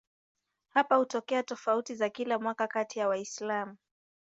Hapa hutokea tofauti za kila mwaka kati ya Waislamu.